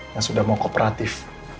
yang sudah mau kooperatif